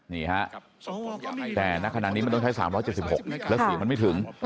นี่ฮะแต่ณขณะนี้มันต้องใช้๓๗๖แล้วเสียงมันไม่ถึง